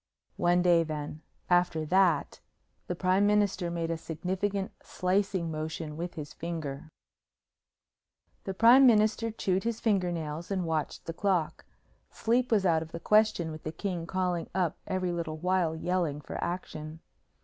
"One day, then. After that " The Prime Minister made a significant slicing motion with his finger. The Prime Minister chewed his fingernails and watched the clock. Sleep was out of the question with the King calling up every little while yelling for action.